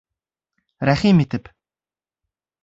Рәхим итеп!